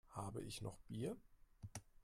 Habe ich noch Bier?